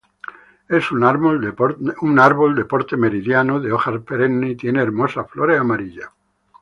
Es un árbol de porte mediano, de hojas perenne y tiene hermosas flores amarillas.